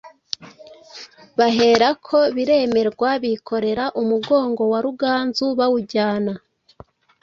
Bahera ko biremerwa (bikorera) umugogo wa Ruganzu bawujyana